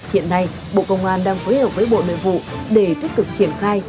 hiện nay bộ công an đang phối hợp với bộ nội vụ để tích cực triển khai